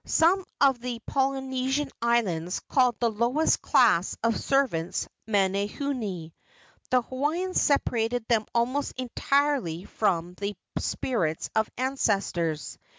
Some of the Polyne¬ sian Islands called the lowest class of servants "manahune." The Hawaiians separated them almost entirely from the spirits of ancestors.